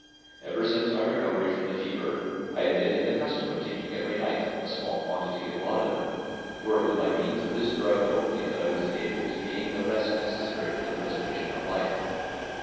Ever since my recovery from the fever, I had been in the custom of taking every night a small quantity of laudanum, for it was by means of this drug only that I was enabled to gain the rest necessary for the preservation of life.